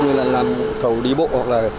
như là làm cầu đi bộ hoặc là